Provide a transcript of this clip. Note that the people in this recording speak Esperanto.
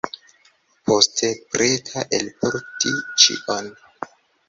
Poste, preta elporti ĉion.